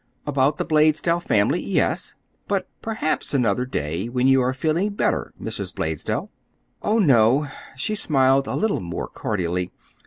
"About the Blaisdell family—yes. But perhaps another day, when you are feeling better, Mrs. Blaisdell." "Oh, no." She smiled a little more cordially.